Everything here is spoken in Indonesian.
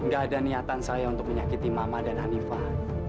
gak ada niatan saya untuk menyakiti mama dan hanifah